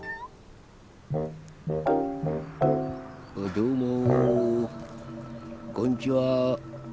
どうもこんちは。